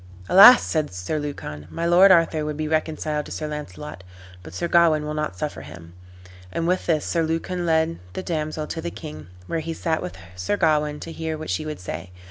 "Alas!" said Sir Lucan, "my lord Arthur would be reconciled to Sir Launcelot, but Sir Gawain will not suffer him." And with this Sir Lucan led the damsel to the king, where he sat with Sir Gawain, to hear what she would say.